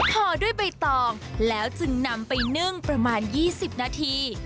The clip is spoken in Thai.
ห่อด้วยใบตองแล้วจึงนำไปนึ่งประมาณ๒๐นาที